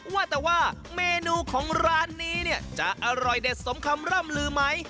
ว่าแต่ว่าเมนูของร้านนี้เนี่ยจะอร่อยเด็ดสมคำร่ำลือไหม